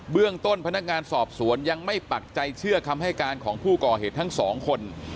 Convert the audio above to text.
เรื่องต้นพนักงานสอบสวนยังไม่ปักใจเชื่อคำให้การของผู้ก่อเหตุทั้งสองคน